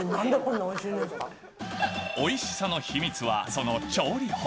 おいしさの秘密は、その調理法。